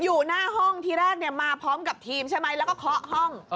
อยู่หน้าห้องทีแรกมาพร้อมกับทีมใช่ไหมแล้วก็เคาะห้อง